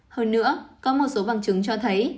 hơn nữa có một số bằng chứng cho thấy